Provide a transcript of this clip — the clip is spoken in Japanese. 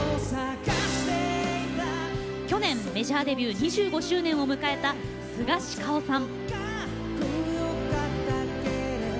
去年、メジャーデビュー２５周年を迎えたスガシカオさん。